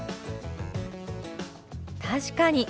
確かに！